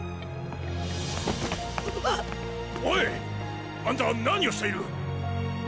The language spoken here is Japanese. オイ！あんた何をしている？